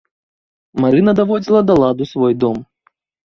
Марына даводзіла да ладу свой дом.